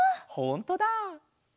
ほんとだ！